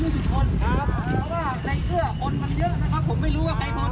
เพราะว่าในเสื้อคนมันเยอะนะครับผมไม่รู้ว่าใครมอง